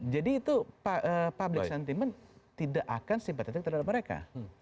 jadi itu public sentiment tidak akan simpatetik terhadap mereka